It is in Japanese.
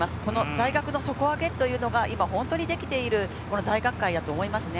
大学の底上げというのが今本当にできている大学界だと思いますね。